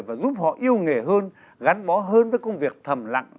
và giúp họ yêu nghề hơn gắn bó hơn với công việc thầm lặng